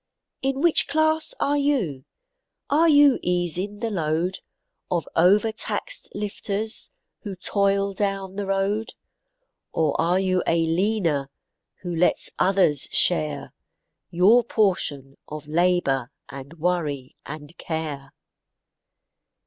In which class are you? Are you easing the load, Of overtaxed lifters, who toil down the road? Or are you a leaner, who lets others share Your portion of labor, and worry and care?